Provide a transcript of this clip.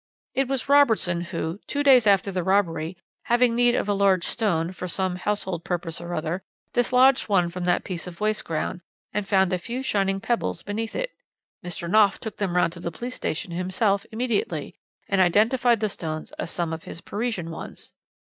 "It was Robertson who, two days after the robbery, having need of a large stone, for some household purpose or other, dislodged one from that piece of waste ground, and found a few shining pebbles beneath it. Mr. Knopf took them round to the police station himself immediately, and identified the stones as some of his Parisian ones.